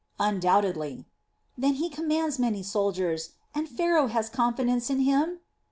"Undoubtedly." "Then he commands many soldiers, and Pharaoh has confidence in him?"